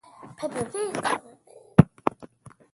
Caesar besieged him there and brought him to terms.